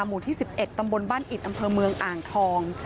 หมู่ที่๑๑ตำบลบ้านอิดอำเภอเมืองอ่างทอง